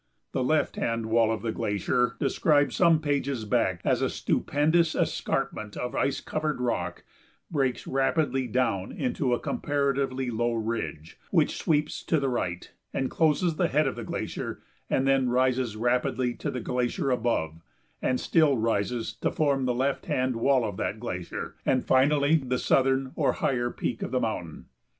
The left hand wall of the glacier, described some pages back as a stupendous escarpment of ice covered rock, breaks rapidly down into a comparatively low ridge, which sweeps to the right, encloses the head of the glacier, and then rises rapidly to the glacier above, and still rises to form the left hand wall of that glacier, and finally the southern or higher peak of the mountain.